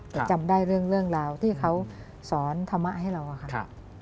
แต่จำได้เรื่องราวที่เขาสอนธรรมะให้เราอะค่ะ